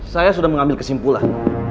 saya sudah mengambil kesimpulan